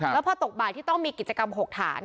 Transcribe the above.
แล้วพอตกบ่ายที่ต้องมีกิจกรรม๖ฐาน